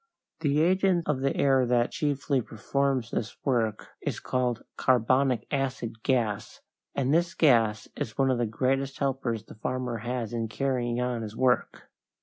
The agent of the air that chiefly performs this work is called carbonic acid gas, and this gas is one of the greatest helpers the farmer has in carrying on his work.